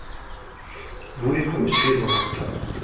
Voulez-vous me suivre un instant ?